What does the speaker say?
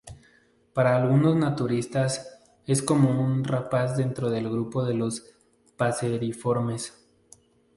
Para algunos naturalistas es como una rapaz dentro del grupo de los paseriformes.